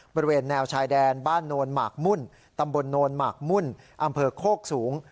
บริเวณแนวชายแดนบ้านโนนหมากมุ่นตำบลโนนหมากมุ่นอำเภอโคกสูง